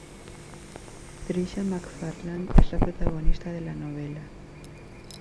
Trisha McFarland es la protagonista de la novela.